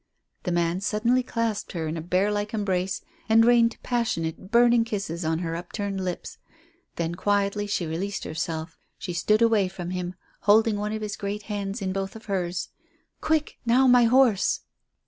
The man suddenly clasped her in a bear like embrace and rained passionate, burning kisses on her upturned lips. Then quietly she released herself. She stood away from him holding one of his great hands in both of hers. "Quick! Now my horse."